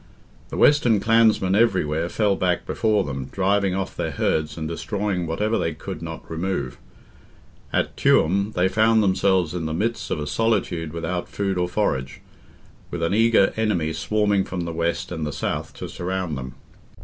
The western clansmen everywhere fell back before them, driving off their herds and destroying whatever they could not remove. At Tuam they found themselves in the midst of a solitude without food or forage, with an eager enemy swarming from the west and the south to surround them.